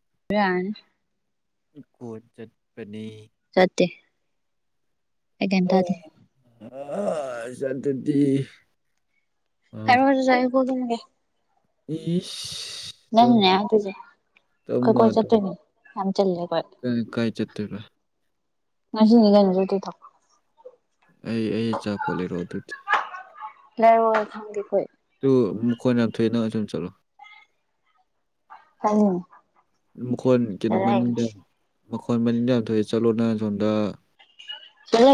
ꯥ [unintelligible] ꯀꯣꯏ ꯆꯠꯄꯅꯤ ꯆꯠꯇꯦ ꯑꯩ ꯀꯦꯝ ꯇꯥꯗ‌ꯦ ꯑ ꯆꯠꯇꯗꯤ ꯍꯥꯏꯔ‌ꯣ ꯁꯠ ꯁꯠ ꯑꯩ ꯀ ꯀ‌ꯣꯜ ꯊꯝꯃꯥꯒ‌ꯦ ꯎ ꯅꯪꯅꯦ ꯑꯗꯨꯗꯤꯦ ꯈ ꯇꯝꯃ ꯀꯣꯏꯆ ꯑꯗꯨꯝ ꯇꯨ ꯌꯥꯝ ꯆ ꯀꯥꯏ ꯆꯠꯇꯣꯏꯕ ꯉꯁꯤꯅꯤꯒꯅꯁꯨꯇ ꯊ ꯑꯩ ꯑꯩ ꯑꯆꯥꯄꯣꯠ ꯂꯩꯔꯣ ꯑꯗꯨꯗꯤ ꯂꯩꯔ ꯋꯥ ꯊꯪꯒꯦ ꯀꯣꯏ ꯑꯗꯨ ꯀꯣꯟ ꯌꯥꯝ ꯊꯣꯛꯏ ꯅꯪ ꯁꯨꯝ ꯆꯠꯂꯣ ꯑ ꯃꯈꯣꯟ ꯀꯩꯅꯣ ꯃꯅꯤꯡꯗ ꯃꯈꯣꯟ ꯃꯅꯤꯡꯗ ꯌꯥꯝ ꯊꯣꯛꯑꯦ ꯆꯠꯂꯣꯅ ꯁꯣꯝꯗ ꯆꯂ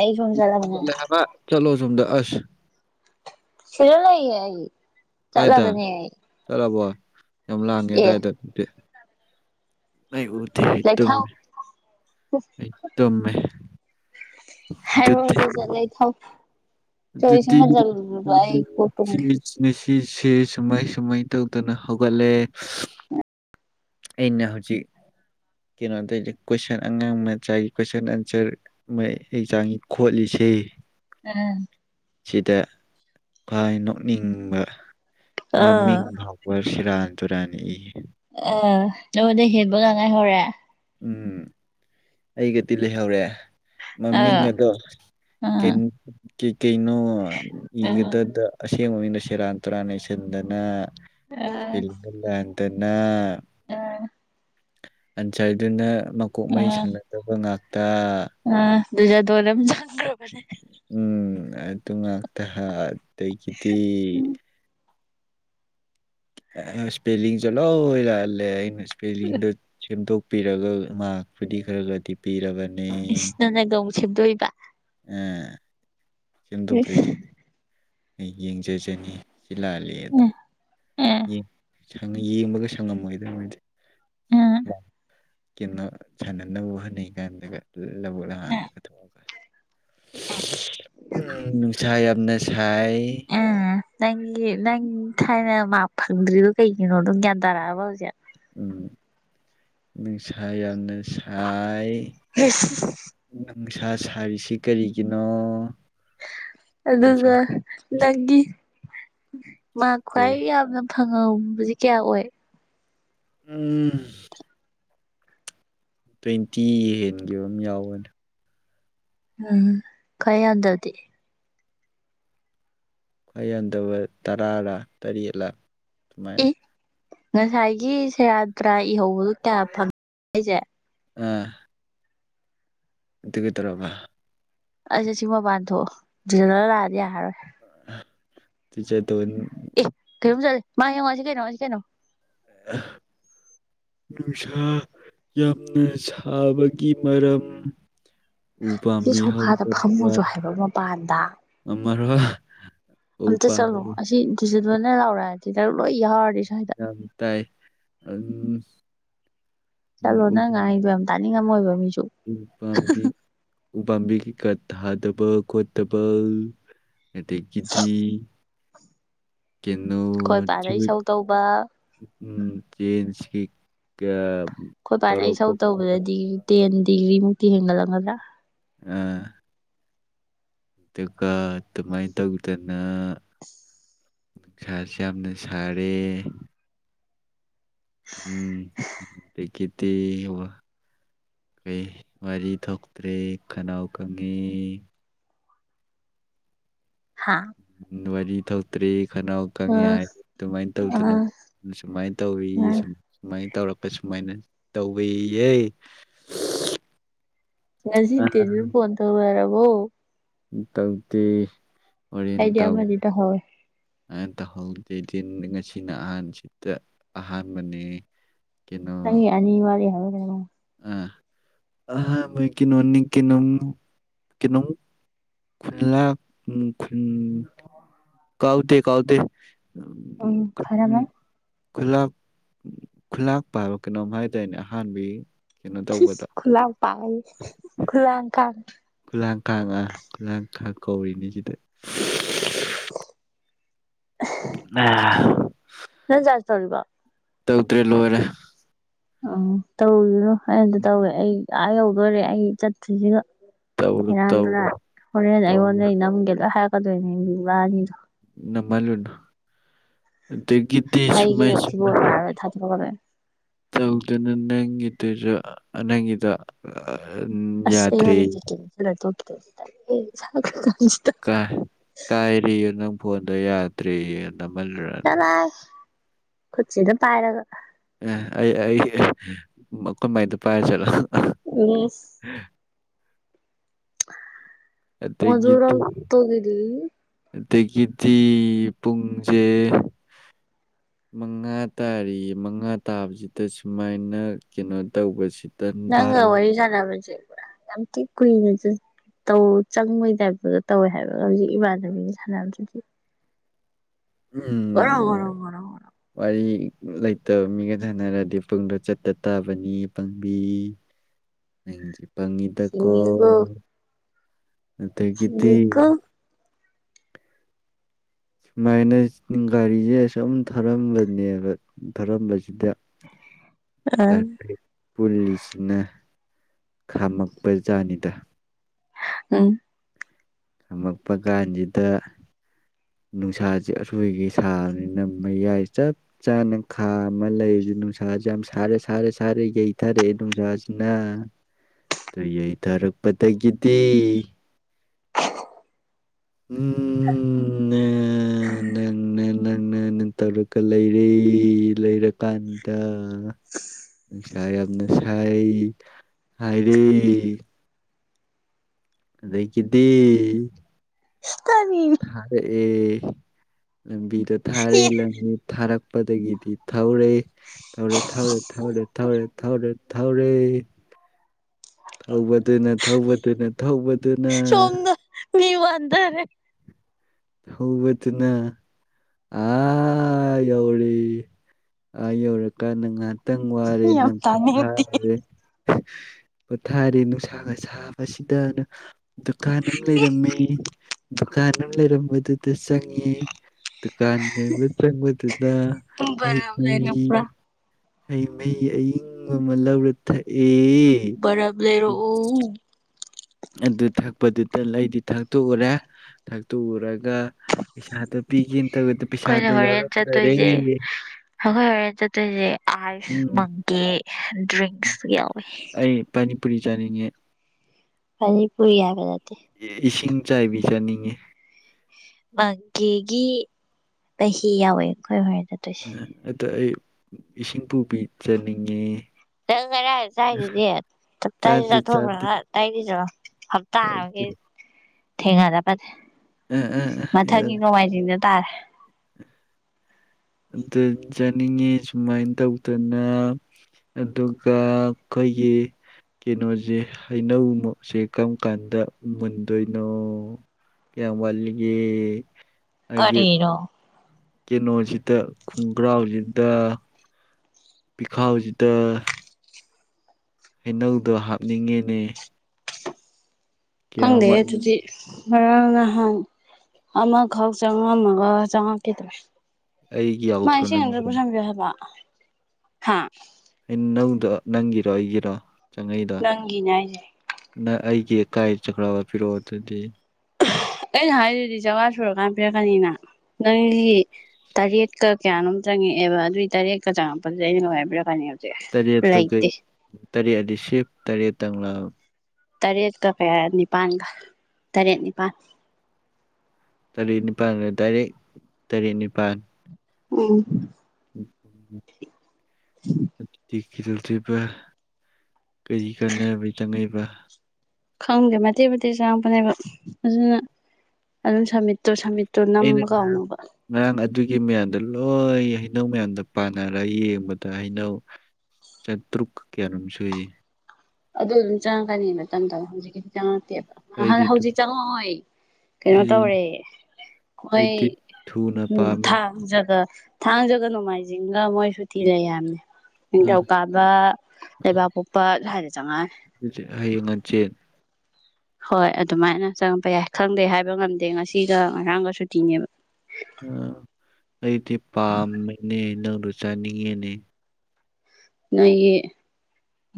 ꯑꯩ ꯐꯣꯟꯝ ꯆꯂꯅ ꯆꯠꯂꯦ ꯍꯥꯏꯕ ꯆꯠꯂꯣ ꯁꯣꯝꯗ ꯑꯁ ꯁꯤꯔꯂ ꯍꯥꯏ ꯀꯥꯏ ꯊ ꯆꯂꯣꯕꯣ ꯌꯥꯝ ꯂꯥꯡꯉꯦ ꯑꯦ ꯑꯗꯨꯋꯥꯏꯗ ꯑꯗꯨꯗꯤ ꯑꯩ ꯎꯗꯤ ꯇꯨꯝ ꯂꯩꯊꯧ ꯏꯗꯃꯦ ꯔꯣꯖ ꯆꯂꯦ ꯊꯥꯎ ꯑꯗꯨꯗꯤ ꯀꯣꯛ ꯇꯨꯝꯒꯦ ꯁꯤꯁꯤꯦ ꯁꯨꯃꯥꯏ ꯁꯨꯃꯥꯏ ꯇꯧꯗꯅ ꯍꯧꯒꯠꯂꯦ ꯑꯦꯟꯅ ꯍꯧꯖꯤ ꯀꯩꯅꯣ ꯇꯧ ꯀꯣꯏꯁꯟ ꯑꯉꯥꯡ ꯃꯆꯥꯒꯤ ꯀꯣꯏꯁꯟ ꯑꯟꯁꯔ ꯑꯦꯛꯖꯥꯝꯒꯤ ꯈꯣꯠꯂꯤꯁꯦ ꯇ ꯑꯝ ꯁꯤꯗ ꯈꯋꯥꯏ ꯅꯣꯛꯅꯤꯡꯕ ꯑꯥ ꯃꯃꯤꯡ ꯐꯥꯎꯕ ꯁꯤꯔꯥꯟ ꯇꯨꯔꯟ ꯏ ꯑ ꯅꯗꯩ ꯍꯦꯕ ꯉꯥꯡꯉꯥꯏ ꯍꯧꯔꯦ ꯎꯝ ꯑꯩꯒꯗꯤ ꯂꯩꯍꯧꯔꯦ ꯃꯃꯤꯡ ꯑꯥ ꯑꯗꯣ ꯑꯥ ꯀꯩꯅꯣ ꯑꯥ ꯏꯒꯗꯗ ꯑꯁꯦꯡꯕ ꯃꯤꯅ ꯁꯦꯔꯥꯟ ꯇꯨꯔꯥꯟ ꯏꯁꯟꯗꯅ ꯑꯥ ꯟꯇꯅ [unintelligible] ꯑꯥ ꯑꯟꯆꯥꯏꯗꯨꯅ ꯃꯀꯣꯛ ꯃꯩ ꯑꯥ ꯁꯝꯅꯗꯕ ꯉꯥꯛꯇ ꯑꯗꯨꯖꯥ ꯗꯣꯅ ꯆꯪꯒ꯭ꯔꯣꯕꯅꯦ ꯎꯝ ꯑꯗꯨ ꯉꯥꯛꯇ ꯑꯗꯒꯤꯗꯤ ꯏꯁꯄꯦꯜꯂꯤꯡꯁꯦ ꯂꯣꯏ ꯂꯥꯛꯍꯜꯂꯦ ꯑꯩꯅ ꯏꯁꯄꯦꯜꯂꯤꯡꯗꯣ ꯁꯦꯝꯗꯣꯛꯄꯤꯔꯒ ꯃꯥꯔꯄꯨꯗꯤ ꯈꯔꯒꯗꯤ ꯄꯤꯔꯕꯅꯤ ꯁꯤꯗꯣꯏꯕ ꯁꯦꯝꯗꯧꯗ꯭ꯔꯗꯤ ꯑꯩ ꯌꯦꯡꯖꯖꯅꯤ ꯁꯤ ꯂꯥꯂ ꯑꯗꯣ ꯎꯝ ꯎꯝ ꯌꯦꯡꯕꯒ ꯁꯪꯉꯝꯃꯣꯏꯗꯧꯃꯗꯤ ꯑꯝ ꯀꯩꯅꯣ ꯁꯥꯟꯅꯅꯕ ꯍꯣꯠꯅꯩ ꯀꯥꯟꯗꯒ ꯂꯧꯕꯛ ꯂ ꯍꯥꯟꯗꯒ ꯊꯣꯛꯑꯒ ꯑ ꯅꯨꯡꯁꯥ ꯌꯥꯝꯅ ꯁꯥꯏ ꯎꯝ ꯅꯪꯒꯤ ꯅꯪ ꯊꯥꯏꯅ ꯃꯥ ꯐꯪꯗ꯭ꯔꯤꯗꯣ ꯀꯩꯒꯤꯅꯣ ꯑꯗꯨꯝ ꯒ꯭ꯌꯥꯟ ꯇꯔꯛꯑꯕ ꯍꯧꯖꯤꯛ ꯎꯝ ꯅ ꯁꯥꯏꯅ ꯁꯥꯏ ꯍꯥꯁ ꯅꯨꯡꯁꯥ ꯁꯥꯔꯤꯁꯤ ꯀꯔꯤꯒꯤꯅꯣ ꯅꯨꯡꯁꯥ ꯑꯗꯨꯒ ꯅꯪꯒꯤ ꯃꯥ ꯈ꯭ꯋꯥꯏ ꯀꯩ ꯌꯥꯝꯅ ꯐꯪꯍꯕꯁ ꯀꯌꯥ ꯑꯣꯏ ꯎꯝ ꯇ꯭ꯋꯦꯟꯇꯤ ꯍꯦꯟꯈꯤꯕ ꯑꯃ ꯌꯥꯎꯕꯅꯦ ꯎꯝ ꯈ ꯌꯥꯝꯗ꯭ꯔꯗꯤ ꯈ꯭ꯋꯥꯏ ꯌꯥꯟꯗꯕ ꯇꯔꯥꯔꯥ ꯇꯔꯦꯠꯂꯥ ꯁꯨꯃꯥꯏꯅ ꯑꯦ ꯉꯁꯥꯏꯒꯤ ꯁꯦꯔꯥꯇ꯭ꯔꯥ ꯏꯍꯧꯕꯗꯨ ꯀꯌꯥ ꯐꯪ ꯑꯩꯁꯦ ꯑ ꯑꯗꯨ ꯀꯩꯗ‌ꯧꯔꯕ ꯑꯁꯦ ꯁꯤ ꯃꯄꯥꯟ ꯊꯣꯛꯑꯣ [unintelligible] ꯂꯥꯛꯑꯗꯤ ꯌꯥꯔꯔꯣꯏ ꯗꯨꯖꯥꯗ‌ꯣꯟ ꯑꯦ ꯀꯩꯅ‌ꯣꯝ ꯆꯠꯂꯦ ꯃꯥ ꯌ‌ꯦꯡꯉ‌ꯣ ꯑꯁꯤ ꯀꯩꯅꯣꯑꯁꯤ ꯀꯩꯅꯣ ꯑ ꯅꯨꯡꯁꯥ ꯌꯥꯝꯅ ꯁꯥꯕꯒꯤ ꯃꯔꯝ ꯎ ꯁꯤ ꯄꯝꯕꯤ ꯁꯣꯐꯥꯗ ꯍꯧꯗꯕ ꯐꯝꯃꯨꯁꯨ ꯍꯥꯏꯕ ꯃꯄꯥꯟꯗ ꯑꯔ ꯑꯝꯇ ꯆꯠꯂꯣ ꯑꯁꯤ ꯊꯤꯖꯤꯟꯕꯅ ꯂꯥꯎꯔꯛꯑꯗꯤ ꯅꯪ ꯂꯣꯏ ꯌꯥꯥꯎꯔꯅꯤ ꯌꯥ ꯇꯥꯏ ꯎꯝ ꯆꯠꯂꯣ ꯅꯪ ꯉꯥꯏꯗꯣ ꯌꯥꯝ ꯇꯥꯅꯤꯡꯉꯝꯃꯣꯏꯕ ꯃꯤꯁꯨ ꯎ ꯄꯥꯝꯕꯤ ꯀꯩꯀꯥ ꯊꯥꯗꯕ ꯈꯣꯠꯇꯕ ꯑꯗꯒꯤꯗꯤ ꯀꯩꯅꯣ ꯑꯩꯈꯣꯏ ꯄꯥꯅ ꯏꯁꯧ ꯇꯧꯕ ꯎꯝ ꯆꯦꯟꯁ ꯀꯤ ꯀ ꯑꯩꯈꯣꯏ ꯕꯥꯅ ꯏꯁꯧ ꯇꯧꯕꯗꯗꯤ ꯇꯦꯟ ꯗ‌ꯦꯌ‌ꯦ ꯃꯨꯛꯇꯤ ꯍꯦꯟꯒꯠꯂꯝꯒꯗ꯭ꯔꯥ ꯑꯥ ꯑꯗꯨꯒ ꯑꯗꯨꯃꯥꯏꯅ ꯇꯧꯗꯅ ꯅꯨꯡ ꯁꯥꯥꯁꯨ ꯌꯥꯝꯅ ꯁꯥꯔꯦ ꯎꯝ ꯎꯗꯨꯗꯒꯤꯗꯤ ꯋꯥ ꯀꯩ ꯋꯥꯔꯤ ꯊꯣꯛꯇ꯭ꯔꯦ ꯈꯅꯥꯎ ꯈꯪꯉꯤ ꯍꯥꯥ ꯎꯝ, ꯋꯥꯔꯤ ꯊ‌ꯣꯛꯇ꯭ꯔꯦ ꯈꯟꯅꯥꯎ ꯀꯪꯉꯤ ꯍꯥꯏ ꯑꯗꯨꯃꯥꯏꯅ ꯑꯥ ꯇꯧꯗꯅ ꯁꯨꯃꯥꯏꯅ ꯇꯧꯋꯤ ꯑꯥ ꯁꯨꯃꯥꯏꯅ ꯇꯧꯔꯛꯄ ꯁꯨꯃꯥꯏꯅ ꯇꯧꯋ‌ꯦ ꯌ‌ꯦ ꯉꯁꯤꯇꯗꯤ ꯑꯗꯨꯝ ꯐ‌ꯣꯟ ꯇꯑꯣꯏꯔꯔꯕꯣ ꯇꯧꯗ‌ꯦ ꯍ‌ꯣꯔ‌ꯦꯟ ꯑꯩꯗꯤ ꯇꯧ ꯑꯃꯗꯤ ꯇꯧꯍꯧꯋꯦ ꯍꯥ ꯇꯧꯍꯩꯗꯦꯗꯤ ꯉꯁꯤꯅ ꯑꯍꯥꯟꯕꯁꯤꯗ ꯑꯍꯥꯟꯕꯅꯦ ꯅꯪꯒꯤ ꯑꯅꯤꯋꯥꯔꯤ ꯍꯥꯏꯎꯒ ꯑꯝ ꯀꯩꯅꯣꯅꯤ ꯀꯩꯅ‌ꯣꯝ ꯀꯩꯅꯣꯝ ꯈꯨꯅꯥ ꯎ ꯈꯨꯟ ꯀꯥꯎꯇ ꯀꯥꯎꯥꯎꯇ ꯎꯝ ꯎꯝ ꯈꯨꯂꯥꯛ ꯈꯨꯂꯥꯛ ꯄꯥꯏꯕ ꯀꯩꯅꯣꯝ ꯍꯥꯏꯗꯥꯏꯅꯦ ꯑꯍꯥꯟꯕꯩ ꯁꯤꯁ ꯈꯨꯂꯛꯄ ꯍꯥꯏꯔꯤ ꯈꯨꯂꯥꯡꯀꯥꯡ ꯈꯨꯂꯥꯡꯀꯥꯡ ꯈꯨꯂꯥꯡꯀꯥꯡ ꯀꯧꯔꯤꯅꯤ ꯁꯤꯗ [unintelligible] ꯅꯪ ꯆꯥꯔꯁ ꯇꯧꯔꯤꯕ‌ꯣ ꯇꯧꯗ꯭ꯔꯦ ꯂꯣꯏꯔꯦ ꯑꯣ ꯇꯧꯔꯤꯅꯨ ꯑꯩ ꯑꯃꯇ ꯇꯧꯒ‌ꯦ ꯑꯩ ꯑꯥ ꯌꯧꯗꯣꯔꯦ ꯑꯩ ꯆꯠꯇ꯭ꯔꯤꯉꯩꯗ ꯇꯧꯔꯣ ꯇꯧꯔꯣ ꯁ‌ꯦꯔꯥꯟꯗꯨꯨꯔꯥꯟ ꯍꯣꯔꯦꯟ ꯇꯧꯔꯣ ꯑꯩꯉꯣꯟꯗꯩ ꯅꯝꯒꯦ ꯂ‌ꯣꯏ ꯍꯥꯏꯔꯛꯀꯗꯣꯏꯅꯦꯡꯕꯤ ꯂꯥꯛꯑꯅꯤꯗꯣ ꯅꯝꯃꯟꯂꯨꯅꯨ ꯒꯤꯠꯇ‌ꯦ ꯁꯨꯃꯥꯏ ꯑꯩꯒꯤꯅ ꯊꯤꯕꯣꯡ ꯁꯨꯃꯥꯏ ꯃꯥꯔꯔꯣꯏ ꯊꯥꯗꯣꯔꯛꯀꯗꯣꯏꯅꯦ ꯇꯧꯗꯨꯅ ꯅꯪꯒꯤꯗꯨꯁꯨ ꯅꯪꯒꯤꯗ ꯎꯝ ꯑꯁ ꯑꯩ ꯌꯥꯗ꯭ꯔ‌ꯦ ꯍꯣꯔꯦꯟ ꯇꯤꯀꯦꯠ [unintelligible] ꯀꯥꯏ ꯀꯥꯏꯔꯤ ꯅꯪ ꯐꯣꯟꯗ ꯌꯥꯗ꯭ꯔꯔꯤꯌꯦ ꯆꯂ ꯈꯨꯠꯁꯤꯗ ꯄꯥꯏꯔꯒ ꯑꯦ ꯑꯩ ꯑꯩ ꯑꯈ‌ꯣꯏ ꯃꯥꯏꯗꯨ ꯄꯥꯏꯔ ꯆꯠꯂꯣ ꯎꯝ ꯑꯦꯇꯩ ꯀꯠꯇ ꯃꯣꯖꯣꯔꯛꯇꯒꯤꯗꯤ ꯑꯗꯒꯤꯗꯤ ꯄꯨꯡꯁꯦ ꯎ ꯃꯉꯥ ꯇꯥꯔꯤꯌꯦ ꯃꯉꯥ ꯇꯥꯕꯁꯤꯗ ꯁꯨꯃꯥꯏꯅ ꯀꯩꯅꯣ ꯇꯧꯕꯁꯤ ꯅꯪꯉ ꯋꯥꯔꯤ ꯁꯥꯟꯅ ꯄꯨ ꯌꯥꯝ ꯊꯤ ꯀꯨꯏꯅ ꯧ ꯆꯪꯕꯩ ꯇꯥꯏꯞꯇꯒ ꯇꯧꯋꯦ ꯍꯥꯏꯕ ꯍꯧꯖꯤꯛ ꯏꯃꯥꯟꯅꯕꯤꯒꯤ ꯁꯥꯟꯅꯕꯁꯤꯗꯤ ꯎꯝ ꯒꯣꯔꯣ ꯒꯣꯔꯣ ꯃꯔꯤ ꯂꯩꯇꯕ ꯃꯤꯒ ꯁꯥꯟꯅꯔꯗꯤ ꯄꯨꯡꯗꯣ ꯆꯠꯇ ꯇꯥꯕꯅꯤ ꯄꯥꯡꯕꯤ ꯑꯪ ꯄꯉꯤꯗꯀꯣ ꯁꯤꯡꯉꯤꯀꯣ ꯑꯠꯇ ꯀꯇ ꯀꯤꯕꯤꯀꯣ ꯁꯨꯃꯥꯏꯅ ꯒꯥꯔꯤꯁꯦ ꯁꯨꯝ ꯊꯥꯔꯝꯕꯅꯦꯕ ꯊꯥꯔꯝꯕꯁꯦ ꯁꯤꯗ ꯇ ꯎꯝ ꯄꯨꯜꯂꯤꯁꯤꯅ ꯈꯥꯝꯃꯛꯄ ꯖꯥꯅꯤꯗ ꯎꯝ ꯊꯝꯃꯛꯄ ꯀꯥꯟꯁꯤꯗ ꯅꯨꯡꯁꯥꯁꯦ ꯑꯔꯣꯏꯒꯤ ꯁꯥꯕꯅꯤꯅ ꯃꯌꯥꯏ ꯆꯞ ꯆꯥꯅ ꯈꯥ ꯑꯃ ꯂꯩ ꯅꯨꯡꯁꯥꯥꯁꯦ ꯌꯥꯝ ꯁꯥꯔꯦ ꯁꯥꯔꯦ ꯁꯥꯔꯦ ꯌꯩꯊꯔꯛꯑꯦ ꯅꯨꯡꯁꯥꯁꯤꯅ ꯇꯌꯥꯩ ꯇꯥꯔꯛꯄꯗꯒꯤꯗꯤ ꯎꯝ ꯅꯥ꯫ ꯅꯪꯅ ꯅꯪꯅꯅ ꯇꯧꯔꯒ ꯂꯩꯔꯦ ꯂꯩꯔꯀꯥꯟꯗ꯫ ꯅꯨꯡꯁꯥ ꯌꯥꯝꯅ ꯁꯥꯏ ꯍꯥꯏꯔꯦ꯫ ꯑꯩꯒꯤꯗꯤ꯫ ꯇꯥꯅꯤꯡꯗꯦ ꯊꯔꯦꯛꯑꯦ‌ ꯂꯝꯕꯤꯗꯊꯔ‌ꯦ ꯂꯝꯕꯤꯗ ꯊꯔꯛ꯫ ꯄꯗꯒꯤꯗꯤ ꯊꯧꯔꯦ ꯊꯧꯔꯦ ꯊꯧꯔꯦ ꯊꯧꯔꯦ ꯊꯧꯔꯦ ꯊꯧꯔꯦ ꯊꯧꯔꯦ꯫ ꯫ ꯊꯧꯕꯗꯨꯅ ꯊꯧꯕꯗꯨꯅ ꯊꯧꯕꯗꯨꯅ꯫ ꯁꯣꯝꯗ ꯃꯤ ꯋꯥꯟꯗꯔꯦ꯫ ꯍꯧꯕꯗꯨꯅ꯫ ꯑꯥ ꯌꯧꯔ‌ꯦ ꯑꯥ ꯌꯧꯔꯀꯥꯟꯗ ꯉꯥꯟ꯫ ꯇꯪ ꯋꯥꯔꯦ ꯅꯪ ꯄꫭꯊꯥꯔꯒ‌ꯦ꯫ ꯫ ꯄꯣꯊꯥꯔ‌ꯦ ꯅꯨꯡꯁꯥꯒ ꯁꯥꯕꯁꯤꯗꯅ ꯗꯨꯀꯥꯟ ꯑꯃ ꯂꯩꯔꯝꯃꯦ ꯗꯨ꯫ ꯀꯥꯟꯑꯝ ꯂꯩꯔꯝꯕ ꯗꯨꯗ ꯆꯉ‌ꯦ꯫ ꯗꯨꯀꯥꯟ ꯌꯕ ꯆꯪꯕꯗꯨꯗ ꯍꯩ ꯕꯔꯞ ꯃꯍꯤ꯫ ꯂꯩꯔꯛꯄ꯭ꯔꯥ ꯍꯩ ꯃꯍꯤ ꯑꯏꯤꯡꯕ ꯑꯃ ꯂꯧꯔ ꯊꯛꯑꯦ꯫ ꯑ‌ꯦ꯫ ꯕꯔꯞ ꯂꯩꯔꯛꯎ ꯑꯩꯈꯣꯏꯅ ꯑꯗꯨ ꯊꯛꯄꯗꯨꯇ ꯂꯩꯗꯤ ꯊꯛꯇꯣꯛꯎꯔꯦ ꯊꯛꯇꯣꯛꯎꯔꯒ꯫ ꯄꯩꯁꯥꯗꯨ ꯄꯤꯒ‌ꯦꯅ ꯇꯧꯕꯗ ꯄꯩꯁꯥꯗꫭ ꯌꯥꯎꯔꯝ ꯗꯔꯦ꯫ ꯍꯂꫭꯑꯔꯤꯇꫭꯇꯤ ꯑꯥꯏꯁ ꯎꯝ ꯃꯪꯀꯤ ꯗ꯭ꯔꯤꯡꯁ ꯌꯥꯎꯏꯤ꯫ ꯄꯨꯔꯤ ꯆꯥꯅꯤꯡꯉꯦ꯫ ꯄꯥꯅꯤ ꯄꯨꯔꯤ ꯍꯥꯏꯕꯅꯠ꯫ ꯏꯁꯤꯡ ꯆꯥꯏꯕꯤ ꯆꯥꯅꯤꯡꯉ‌ꯦ꯫ ꯃꯪꯀꯤꯒꯤ ꯆꯍꯤ ꯌꯥꯎꯋꯦ ꯑꯈꫭꯏ ꯍꯣꯏ꯫ ꯑꯗꫭ ꯑꯩ ꯏꯁꯤꯡ ꯄꯨꯕꯤꯆꯥꯅꯤꯡꯉꯦ꯫ ꯅꯪ ꯉꯔꯥꯏ ꯆꯥꯏꯗꯨꯗꯤ ꯇꯥꯞꯇꯥꯏ ꯆꯥꯗꯦ ꯆꯥꯗꯦ ꯆꯥꯊꯣꯛꯈ꯭ꯔꯒ ꯇꯥꯏꯇ‌ꯦꯆꯠꯂꫭ꯫ ꯍꯞꯇꯥ ꯆꯥꯗꯦ ꯍꯥꯏꯕꯒ ꯊꯦꯡꯒꯗꯄ꯫ ꯑ ꯑ ꯑ ꯃꯊꯪꯒꯤ ꯅꯣꯡꯃꯥꯏꯖꯤꯡꯗ ꯇꯥꯔꯦ꯫ ꯑꯗꯨ ꯆꯥꯅꯤꯡꯉ‌ꯦ ꯁꯨꯃꯥꯏꯟ ꯇꯧꯗꯅ ꯑꯗꯨꯒ꯫ ꯍ‌ꯣꯏꯌꯦ꯫ ꯀꯩꯅꯣꯁꯦ ꯍꯩꯅꯧꯁꯦ ꯀꯝ ꯀꯥꯟꯗ ꯃꯨꯟꯗꯣꯏꯅꯣ꯫ ꯀꯌꯥꯝ ꯋꯥꯠꯂꯤꯒꯤ꯫ ꯀꯔꯤꯔꯣ꯫ ꯀꯤꯅꯣꯁꯤꯗ ꯈꯣꯡꯒ꯭ꯔꯥꯎꯁꯤꯗ꯫ ꯄꯤꯈꯥꯎꯁꯤꯗ꯫ ꯍꯩꯅꯧꯗꯣ ꯍꯥꯞꯅꯤꯡꯉ‌ꯦꯅꯦ꯫ ꯈꯪꯗ‌ꯦ ꯑꯗꯨꯗꯤ꯫ ꯉꯔꯥꯡ ꯅꯍꯥꯟ ꯑꯃꯈꯛ ꯆꯉꯝꯃꯒ ꯆꯪꯉꯛꯈꯤꯗ꯭ꯔꯦ꯫ ꯑꯩꯒꯤ ꯃꯥ ꯌꯥꯎꯗ꯭ꯔꯣ ꯏꯁꯤꯡ ꯑꯝꯇ ꯅꯪꯒꯤꯗꯣ ꯄꯨꯁꯤꯟꯕꯤꯌꯨ ꯍꯥꯏꯕ ꯍꯥ꯫ ꯏꯟꯅꯧꯗꫭ ꯅꯪꯒꯤꯔꫭ ꯑꯩ ꯒꯤꯔꫭ꯫ ꯅꯪꯒꯤꯅꯦꯗꯥꯏ꯫ ꯅꯪ ꯑꯩꯒꯤꯀꯥꯏ ꯆꯠꯈ꯭ꯔꯕ ꯄꯤꯔꫭꯛ ꯑꯗꯨꯗꯤ꯫ ꯑꯩꯅ ꯍꯥꯏꯗꯨꯗꯤ ꯁꯧꯉꯥ ꯁꯨꯔꯛꯀꯥꯟ ꯄꯤꯔꯛꯀꯅꯤꯅ ꯅꯪꯒꯤ ꯇꯔꯦꯠꯀ꯫ ꯀꯌꯥꯅꯣꯝ ꯆꯪꯉꯛꯑꯦꯕ ꯑꯗꯨꯏ ꯇꯔꯦꯠꯀ ꯆꯪꯛꯄꯗꯨꯗ ꯑꯩꯅ ꯀꯃꯥꯏꯄꯤꯔꯛꯀꯅꯤ꯫ ꯇꯔꯦꯠꯇꯨ ꯀꯩ ꯇꯔꯦꯠꯗꯤ ꯁꯤꯐ ꯇꯔꯦꯠ ꯇꯥ꯫ ꯇꯔꯦꯠꯀ ꯀꯌꯥ ꯅꯤꯄꯥꯜꯒ ꯇꯔꯦꯠ ꯅꯤꯄꯥꯟ꯫ ꯇꯔꯦꯠ ꯅꯤꯄꯥꯟꯒ ꯇꯔꯦꯠ ꯇꯔꯦꯠ ꯅꯤꯄꯥꯟ꯫ ꯎꯝ꯫ ꯇꯤ ꯀꯤꯗꯧꯗꫭꯏꯕ꯫ ꯀꯔꯤ ꯀꯥꯟꯅꯕꯩ ꯆꯪꯉꯛ ꯏꯕ ꯈꯪꯗꯦ ꯃꯇꯦꯛ ꯃꯇꯦꯛ ꯆꯥꯡꯉꯛꯄꯅꯦꯕ ꯑꯗꯨꯅ ꯑꯗꯨꯝ ꯁꯝꯃꯤꯠꯇꯣ ꯁꯃꯤꯠ ꯗꯣ ꯑꯩꯅ ꯅꯝꯕ ꯀꯥꯎꯅꯣꯕ ꯉꯔꯥꯡ ꯑꯗꯨꯒꯤ ꯃꯌꯥꯝꯗ ꯂꯣꯏ ꯍꯩꯅꯧ ꯃꯌꯥꯝꯗꯣ ꯄꯥꯟꯅꯔ ꯌꯦꯡꯕꯗ ꯍꯩꯅꯧ ꯆꯇ꯭ꯔꯨꯛ ꯀꯌꯥ ꯅꯣꯝꯁꯨꯏ ꯑꯗꯨ ꯑꯗꯨꯝ ꯆꯪꯉꯛꯀꯅꯤ ꯇꯝ ꯇꯝꯅ ꯍꯧꯖꯤꯛꯀꯤꯗꯤ ꯆꯉꯛ ꯅꯍꯥꯟ ꯑꯩꯗꯤ ꯇꯨ ꯍꯧꯖꯤꯛ ꯆꯪꯉꯛꯑꯣꯏ ꯀꯩꯅꯣ ꯑꯩ ꯇꯧꯔꯦ ꯍꯣꯏ ꯑꯩꯗꯤ ꯊꯨꯅ ꯎꯝ ꯄꯥꯝꯃꯤ ꯊꯥꯡꯖꯒ ꯊꯥꯡꯖꯒ ꯅꯣꯡꯃꯥꯏꯖꯤꯡꯒ ꯃꯣꯏ ꯁꯨꯨꯇꯤ ꯂꯩ ꯍꯥꯏꯃꯤ ꯑꯥ ꯅꯤꯡꯊꯧꯀꯥꯕ ꯂꯩꯕꯥꯛꯄꯣꯛꯄ ꯁꯥꯏꯗ ꯆꯪꯉꯑꯅꯤ ꯍꯌꯦꯡ ꯍꯟꯆꯤꯠ ꯍꯣꯏ ꯑꯗꯨꯃꯥꯏꯅ ꯆꯪꯉꯄ ꯌꯥꯏ ꯈꯪꯗꯦ ꯍꯥꯏꯕ ꯉꯝꯗꯦ ꯉꯁꯤꯒ ꯉꯔꯥꯡꯒ ꯁꯨꯇꯤꯅꯦꯕ ꯑ ꯑꯩꯗꯤ ꯄꯥꯝꯃꯦꯅꯦ ꯅꯪꯗꯣ ꯆꯥꯅꯤꯡꯉꯦꯅꯦ ꯅꯣꯏꯒꯤ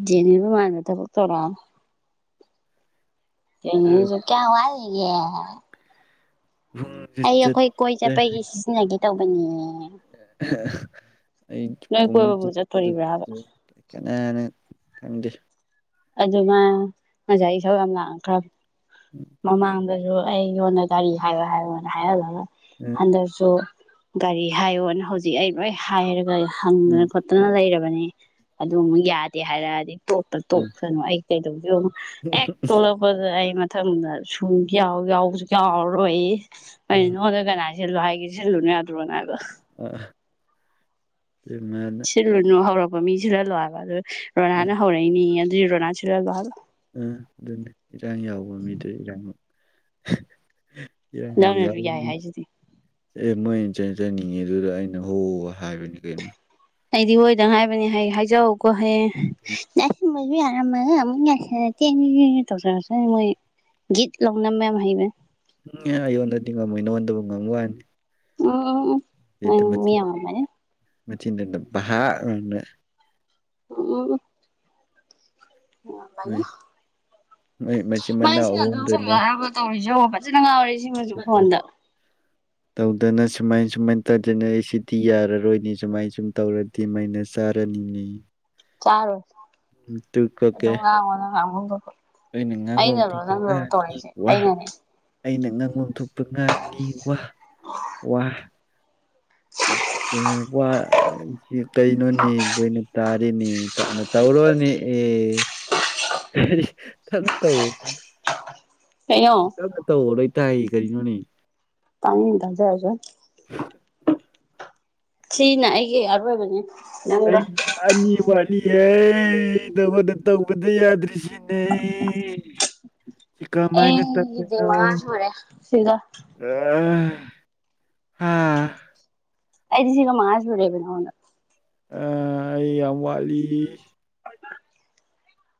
ꯖꯦꯅꯤꯕ ꯃꯥꯟꯕ ꯊꯕꯛ ꯇꯧꯔꯛꯑꯅꯣ ꯀꯌꯥ ꯋꯥꯠꯂꯤꯒꯦ ꯄꯨꯡꯁꯦ ꯑꯩ ꯑꯩꯈꯣꯏ ꯀꯣꯏ ꯆꯠꯇꯦ ꯆꯠꯄꯒꯤ ꯁꯤꯖꯤꯟꯅꯒꯦ ꯇꯧꯕꯅꯦ ꯑꯩ ꯅꯣꯏ ꯄꯨꯡ ꯀꯣꯏꯕꯕꯨ ꯆꯠ ꯆꯠꯇꯣꯔꯤꯕ꯭ꯔꯕ ꯆꯠ ꯀꯥꯅꯅ ꯈꯪꯗꯦ ꯑꯗꯨ ꯃꯥ ꯉꯁꯥꯏ ꯏꯁꯨ ꯌꯥꯝ ꯂꯥꯛꯑ ꯈ꯭ꯔꯕꯅꯦ ꯃꯃꯥꯡꯗ ꯑꯗꯨ ꯑꯩ ꯌꯣꯟꯗ ꯒꯥꯔꯤ ꯍꯥꯏꯌꯣ ꯍꯥꯏꯌꯣ ꯅ ꯍꯥꯏꯍꯜꯂꯒ ꯎꯝ ꯍꯟꯗꯛꯁꯨ ꯒꯥꯔꯤ ꯍꯥꯏꯌꯣꯅ ꯍꯧꯖꯤꯛ ꯑꯩ ꯂꯣꯏ ꯍꯥꯏꯔꯒ ꯍꯪꯗꯅ ꯎꯝ ꯈꯣꯠꯇꯅ ꯂꯩꯔꯕ ꯑꯗꯨꯨꯃꯨꯛ ꯌꯥꯗꯦ ꯍꯥꯏꯔꯛꯑꯗꯤ ꯇꯣꯛꯇ ꯎꯝ ꯇꯣꯛꯇꯁꯨ ꯑꯩ ꯀꯩꯗꯧꯒꯦ ꯌꯦꯉꯨ ꯍꯦꯛ ꯇꯣꯂꯛꯄꯗ ꯑꯩ ꯃꯊꯪꯗ ꯁꯨꯝ ꯌꯥꯎ ꯌꯥꯎꯕꯁꯨ ꯌꯥꯎꯔꯔꯣꯏ ꯑꯩ ꯎꯝ ꯅꯉꯣꯟꯗ ꯀꯅꯥ ꯁꯤꯜꯂꯨ ꯍꯥꯏꯒꯦ ꯁꯤꯜꯂꯨꯅꯣ ꯌꯥꯗ꯭ꯔꯣꯅꯥ ꯍꯥꯏꯕ ꯑ ꯁꯤꯜꯂꯨꯅꯨ ꯍꯧꯔꯛꯄ ꯃꯤ ꯁꯤꯟꯍꯜꯂꯣ ꯍꯥꯏꯕ ꯑꯗꯨ ꯎꯝ ꯔꯣꯅꯥꯅ ꯍꯧꯔꯛꯏꯅꯦꯌꯦ ꯑꯗꯨꯗꯤ ꯔꯣꯅꯥ ꯁꯤꯟꯍꯜꯂꯣ ꯍꯥꯏꯕ ꯎꯝ ꯑꯗꯨꯅꯤ ꯏꯔꯥꯡ ꯌꯥꯎꯕ ꯃꯤꯗ ꯏꯔꯥꯡ ꯏꯔꯥꯡ ꯌꯥꯝ ꯅꯪꯅꯁꯨ ꯌꯥꯏ ꯌꯥꯎꯅꯤꯉꯤ ꯍꯥꯏꯁꯤꯗꯤ ꯁꯦ ꯅꯣꯏꯅꯅꯤ ꯆꯦꯟꯖꯅꯤꯡꯉꯦ ꯗꯨꯗ ꯑꯩꯅ ꯍꯣ ꯍꯥꯏꯕꯅꯤ ꯀꯩꯅꯣ ꯑꯩꯗꯤ ꯍꯣꯏꯗꯪ ꯉꯥꯏꯕꯅꯦ ꯍꯥꯏ ꯍꯥꯏꯖꯎꯀꯣ ꯍꯌꯦꯡ ꯗꯥ ꯁꯨꯃꯟ [inaudible] ꯇꯧꯖꯔꯛ ꯁꯅꯤꯅꯣꯏ ꯒꯤꯠ ꯂꯧꯅ ꯅꯝꯕ ꯌꯝ ꯍꯩꯕꯅꯦ ꯎꯝ ꯑꯩ ꯌꯣꯟꯗꯗꯤ ꯉꯝꯃꯣꯏ ꯅꯉꯣꯟꯗꯕꯨ ꯉꯝ ꯋꯥꯅꯤ ꯎꯝ ꯎꯝ ꯎꯝ ꯅꯪ ꯃꯤ ꯃꯆꯤꯟꯗꯨꯗ ꯕꯥꯛ ꯂꯥꯎꯅ ꯎꯝ ꯎꯝ ꯃꯣꯏ ꯃꯣꯏ ꯃꯆꯤꯟ [inaudible] ꯏꯃꯥ ꯃꯅꯥꯎ ꯏꯁꯤꯡ ꯑꯍꯨꯝꯗꯨꯅꯦ ꯃꯨꯛꯇ [inaudible] ꯇꯧꯔꯤꯁꯦ ꯌꯦꯉꯨ ꯐꯖꯅ ꯉꯥꯎꯔꯦ ꯁꯤꯃꯁꯨ ꯐꯣꯟꯗ ꯇꯧꯗꯅ ꯁꯨꯃꯥꯏ ꯁꯨꯃꯥꯏꯅ ꯇꯧꯗꯅ ꯑꯩ ꯁꯤꯗꯤ ꯌꯥꯔꯔꯣꯏꯅꯤ ꯁꯨꯃꯥꯏꯅ ꯁꯨꯝ ꯇꯧꯔꯗꯤ ꯃꯥꯏꯅ ꯆꯥꯔꯅꯤ ꯑꯅꯤ ꯅꯦ ꯆꯥꯔꯨꯅꯨ ꯑꯗꯨꯝ ꯀꯣꯀꯦ ꯉꯥꯉꯣ ꯅꯪ ꯉꯥꯡꯐꯝ ꯊꯣꯛꯄ ꯑꯩꯅ ꯉꯥꯡꯕ ꯑꯃ ꯑꯩꯅꯔꯣ ꯊꯣꯛꯄ ꯅꯪꯅꯔꯣ ꯇꯧ ꯍꯥꯏꯁꯦ ꯉꯥꯡꯅꯤ ꯋꯥ ꯑꯩꯅꯅꯦ ꯑꯩꯅ ꯉꯪꯐꯝ ꯊꯣꯛꯄ ꯉꯥꯡꯅꯤ ꯋꯥ ꯋꯥ ꯀꯩꯅꯣ ꯋꯥ ꯀꯩꯅꯣꯅꯤ ꯂꯣꯏꯅ ꯇꯥꯔꯤꯅꯦ ꯇꯞꯅ ꯇꯧꯔꯣ ꯂꯣꯅꯦ ꯑꯦ ꯇꯞꯅ ꯇꯧ [unintelligible] ꯇꯞꯅ ꯇꯧꯑꯣ ꯂꯣꯏ ꯇꯥꯏ ꯀꯩꯅꯣꯅꯦ ꯇꯅꯤꯡ ꯇꯖ ꯔꯁꯅꯣ [unintelligible] ꯁꯤꯅ ꯑꯩꯒꯤ ꯑꯔꯣꯏꯕꯅꯤ ꯅꯪꯒ ꯑꯩ ꯑꯅꯤ ꯋꯥꯠꯂꯤꯌꯦ ꯅꯥꯉꯣꯟꯗ ꯇꯧꯕꯗ ꯌꯥꯗ꯭ꯔꯤꯁꯤ ꯅꯦ ꯑꯩꯒꯤꯗꯤ ꯃꯉꯥ ꯁꯨꯔꯦ ꯁꯤꯒ꯫ ꯑꯥ ꯑꯩꯗꯤ ꯁꯤꯒ ꯃꯉꯥꯁꯨꯔꯦꯕ ꯅꯉꯣꯟꯗ꯫ ꯑ ꯑꯩ ꯌꯥꯝ ꯋꯥꯠꯂꯤ꯫